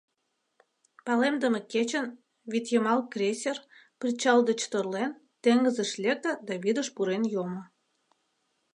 Палемдыме кечын вӱдйымал крейсер, причал деч торлен, теҥызыш лекте да вӱдыш пурен йомо.